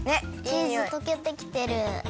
チーズとけてきてる。